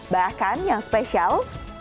bahkan yang spesial